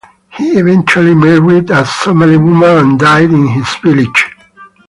He eventually married a Somali woman and died in his village.